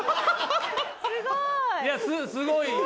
すごい！